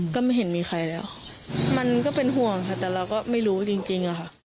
ก็ไม่เห็นมีใครแล้วมันก็เป็นห่วงค่ะแต่เราก็ไม่รู้จริงอะค่ะ